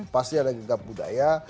pasti ada gegap budaya